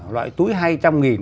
loại túi hai trăm nghìn